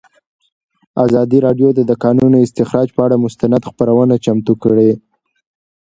ازادي راډیو د د کانونو استخراج پر اړه مستند خپرونه چمتو کړې.